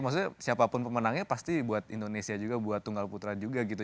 maksudnya siapapun pemenangnya pasti buat indonesia juga buat tunggal putra juga gitu